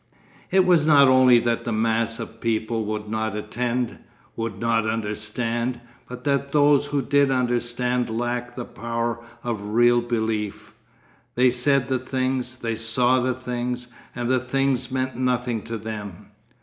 'It was not only that the mass of people would not attend, would not understand, but that those who did understand lacked the power of real belief. They said the things, they saw the things, and the things meant nothing to them....